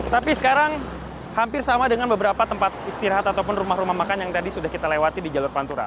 tapi sekarang hampir sama dengan beberapa tempat istirahat ataupun rumah rumah makan yang tadi sudah kita lewati di jalur pantura